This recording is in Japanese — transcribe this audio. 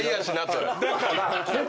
だから。